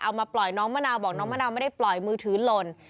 เอามาปล่อยน้องมะนาวบอกน้องมะนาวไม่ได้ปล่อยมือถือหล่น